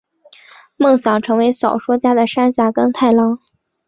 梦想成为小说家的山下耕太郎！